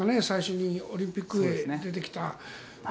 最初にオリンピックに出てきた。